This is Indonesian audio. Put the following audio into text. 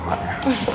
ya hautlah ya